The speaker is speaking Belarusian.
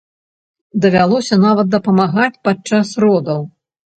Давялося нават дапамагаць падчас родаў!